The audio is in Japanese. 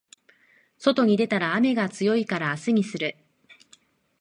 外に出たら雨が強いから明日にする